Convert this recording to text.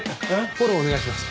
フォローお願いします。